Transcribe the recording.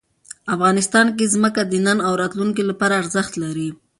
افغانستان کې ځمکه د نن او راتلونکي لپاره ارزښت لري.